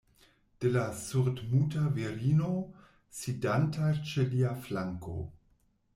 De la surdmuta virino, sidanta ĉe lia flanko.